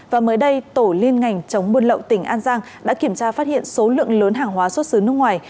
và mới đây tổ liên ngành chống buôn lậu tỉnh an giang đã kiểm tra phát hiện số lượng lớn hàng hóa xuất xứ nước ngoài